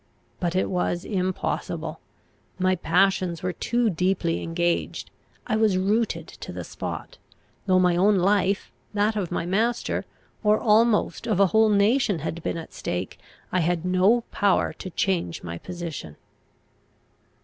But it was impossible; my passions were too deeply engaged; I was rooted to the spot; though my own life, that of my master, or almost of a whole nation had been at stake, I had no power to change my position.